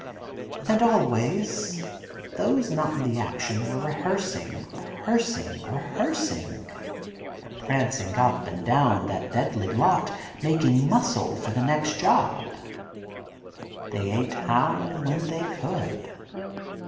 And always, those not in action were rehearsing, rehearsing, rehearsing, or prancing up and down that deadly lot, making muscle for the next job. They ate how and when they could.